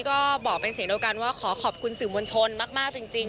ก็บอกเป็นเสียงเดียวกันว่าขอขอบคุณสื่อมวลชนมากจริง